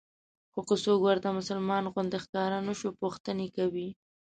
خو که څوک ورته مسلمان غوندې ښکاره نه شو پوښتنې کوي.